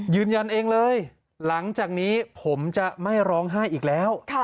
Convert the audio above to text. ยืนยันเองเลยหลังจากนี้ผมจะไม่ร้องไห้อีกแล้ว